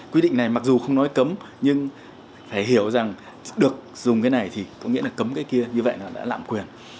quy định này mặc dù không nói cấm nhưng phải hiểu rằng được dùng cái này thì có nghĩa là cấm cái kia như vậy nó đã lạm quyền